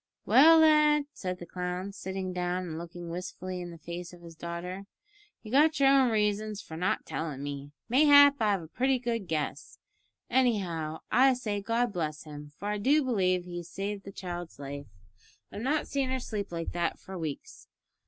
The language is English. "Well, lad," said the clown, sitting down and looking wistfully in the face of his daughter, "you've got your own reasons for not tellin' me mayhap I've a pretty good guess anyhow I say God bless him, for I do b'lieve he's saved the child's life. I've not seen her sleep like that for weeks.